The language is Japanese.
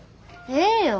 ええよ。